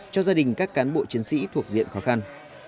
cho gia đình các cán bộ chiến sĩ thuộc diện khó khăn